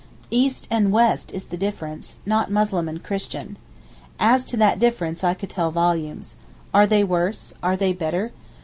East and West is the difference, not Muslim and Christian. As to that difference I could tell volumes. Are they worse? Are they better?